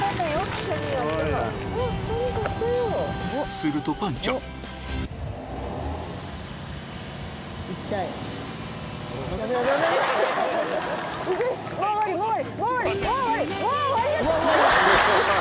するとパンちゃん行きたい？